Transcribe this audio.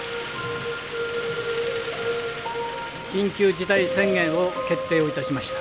緊急事態宣言を決定をいたしました。